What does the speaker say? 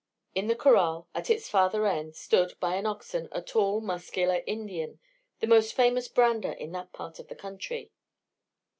In the corral, at its farther end, stood, by an oven, a tall muscular Indian, the most famous brander in that part of the country.